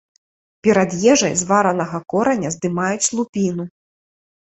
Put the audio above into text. Перад ежай з варанага кораня здымаюць лупіну.